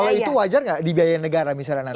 kalau itu wajar nggak dibiayain negara misalnya nanti